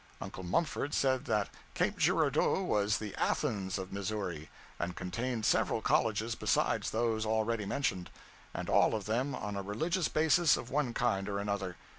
Uncle Mumford said that Cape Girardeau was the Athens of Missouri, and contained several colleges besides those already mentioned; and all of them on a religious basis of one kind or another.